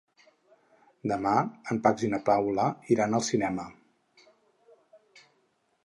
Demà en Max i na Paula iran al cinema.